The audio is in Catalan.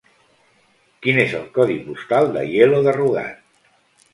Quin és el codi postal d'Aielo de Rugat?